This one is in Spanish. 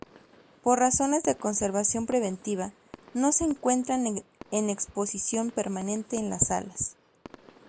Por razones de conservación preventiva, no se encuentran en exposición permanente en las salas.